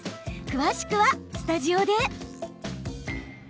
詳しくはスタジオで。